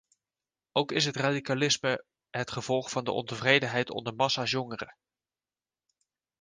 Ook is het radicalisme het gevolg van de ontevredenheid onder massa's jongeren.